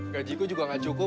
gajiku juga tidak cukup